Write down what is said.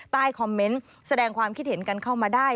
ใต้คอมเมนต์แสดงความคิดเห็นกันเข้ามาได้